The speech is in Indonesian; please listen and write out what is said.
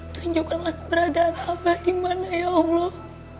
tunjukkanlah keberadaan abah di mana ya allah